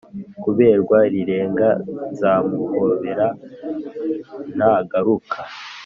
kuberwa rirenga.nzamuhobera nagaruka